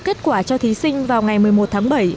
kết quả cho thí sinh vào ngày một mươi một tháng bảy